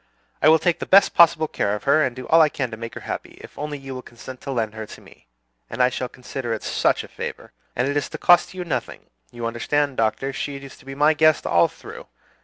I will take the best possible care of her, and do all I can to make her happy, if only you will consent to lend her to me; and I shall consider it such a favor. And it is to cost you nothing. You understand, Doctor, she is to be my guest all through.